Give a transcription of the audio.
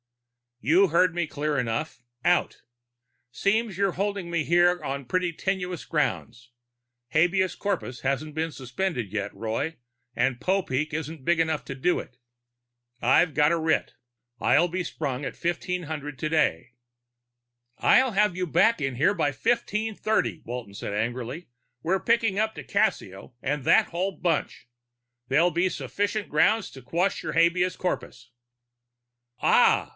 "You heard me clear enough. Out. Seems you're holding me here on pretty tenuous grounds. Habeas corpus hasn't been suspended yet, Roy, and Popeek isn't big enough to do it. I've got a writ. I'll be sprung at 1500 today." "I'll have you back in by 1530," Walton said angrily. "We're picking up di Cassio and that whole bunch. That'll be sufficient grounds to quash your habeas corpus." "Ah!